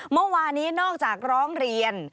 เมื่อวานนี้นอกจากร้องเรียน